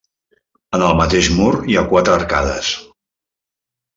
En el mateix mur hi ha quatre arcades.